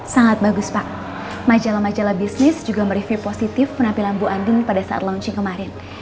sangat bagus pak majalah majalah bisnis juga mereview positif penampilan bu anding pada saat launching kemarin